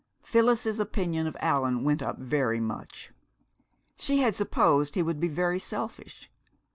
Phyllis's opinion of Allan went up very much. She had supposed he would be very selfish.